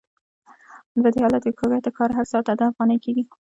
په دې حالت کې د کارګر د کار هر ساعت اته افغانۍ کېږي